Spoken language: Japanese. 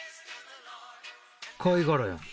貝殻やん。